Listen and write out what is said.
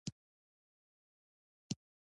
هغه موسکی شو او ورته یې وویل: